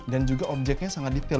dan juga objeknya sangat detail